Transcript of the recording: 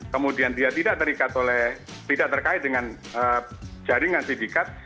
kemudian dia tidak terikat oleh tidak terkait dengan jaringan sindikat